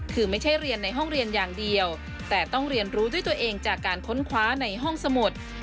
คือไม่ใช่เรียนในห้องเรียนอย่างเดียวแต่ต้องเรียนรู้ด้วยตัวเองจากการค้นคว้าในห้องสมุด